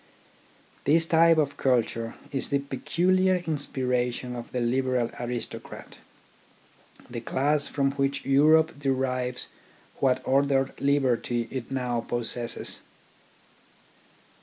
His type of culture is the peculiar inspiration of the liberal aristocrat, the class from which Europe derives what ordered liberty it now possesses.